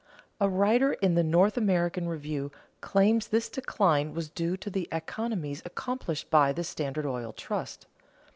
A writer in the "North American Review" claims that this decline was due to the economies accomplished by the Standard Oil Trust.